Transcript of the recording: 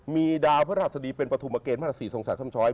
มีดาวพระราชดีเป็นปฐุมเกณฑ์พระศรีทรงศาสตร์ช้ำช้อย